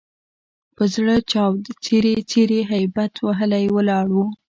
په زړه چاود، څیري څیري هبیت وهلي ولاړ وو.